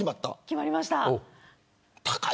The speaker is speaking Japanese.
決まりました。